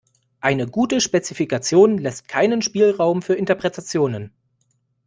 Eine gute Spezifikation lässt keinen Spielraum für Interpretationen.